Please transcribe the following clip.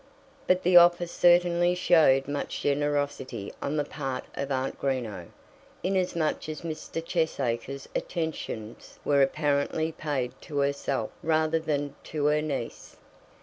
But the offer certainly showed much generosity on the part of Aunt Greenow, inasmuch as Mr. Cheesacre's attentions were apparently paid to herself rather than to her niece.